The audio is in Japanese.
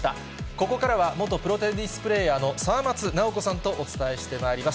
ここからは元プロテニスプレーヤーの沢松奈生子さんとお伝えしてまいります。